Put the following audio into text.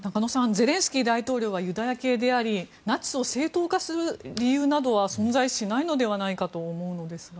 ゼレンスキー大統領はユダヤ系でありナチスを正当化する理由などは存在しないのではないかと思うのですが。